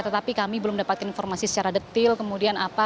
tetapi kami belum dapatkan informasi secara detil kemudian apa